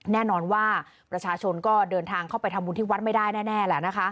แน่นอนว่าประชาชนก็เดินทางเข้าไปทำบุญที่วัดไม่ได้แน่แล้วนะคะ